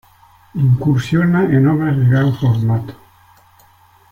Incursiona en obras de gran formato.